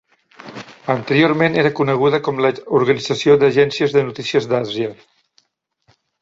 Anteriorment era coneguda com l'Organització d'Agències de Notícies d'Àsia.